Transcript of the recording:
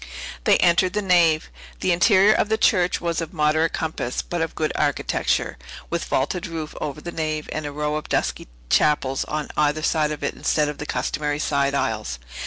They entered the nave. The interior of the church was of moderate compass, but of good architecture, with a vaulted roof over the nave, and a row of dusky chapels on either side of it instead of the customary side aisles.